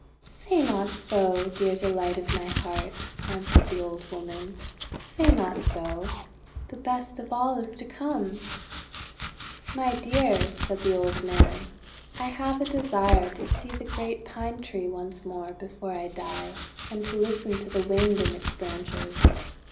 :'Say not so, Dear Delight of my Heart," answered the old woman, "say not so; the best of all is to come." THE WIND IN THE PINE 329 :<My Dear," said the old man, "I have a desire to see the great Pine Tree once more before I die, and to listen to the Wind in its branches."